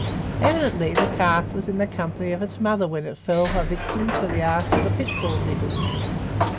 Evidently the calf was in the company of its mother when it fell a victim to the art of the pitfall diggers.